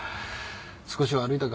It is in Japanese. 少しは歩いたか？